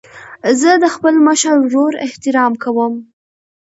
زه د خپل مشر ورور احترام کوم.